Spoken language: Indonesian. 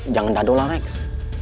jangan dado lah leks